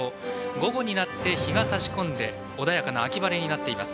午後になって日がさし込んで穏やかな秋晴れになっています。